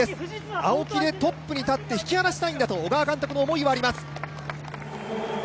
青木でトップに立って引き離したいんだと小川監督の思いもあります。